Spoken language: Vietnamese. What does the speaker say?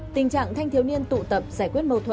tình trạng thanh thiếu niên tụ tập giải quyết mâu thuẫn